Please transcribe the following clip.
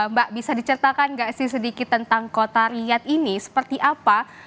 mbak bisa diceritakan nggak sih sedikit tentang kota riyad ini seperti apa